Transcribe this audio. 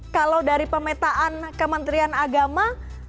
kalau dari pemetaan kementerian agama